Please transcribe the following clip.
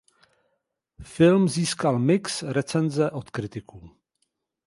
Film získal mix recenze od kritiků.